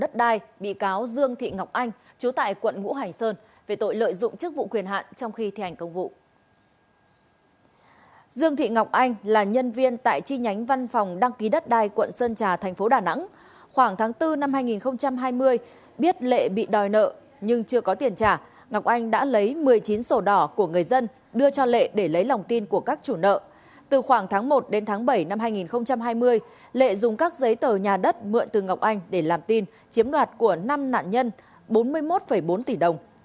từ khoảng tháng một đến tháng bảy năm hai nghìn hai mươi lệ dùng các giấy tờ nhà đất mượn từ ngọc anh để làm tin chiếm đoạt của năm nạn nhân bốn mươi một bốn tỷ đồng